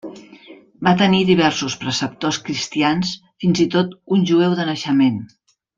Va tenir diversos preceptors cristians fins i tot un jueu de naixement.